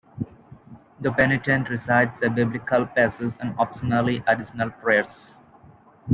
The penitent recites a Biblical passage and, optionally, additional prayers.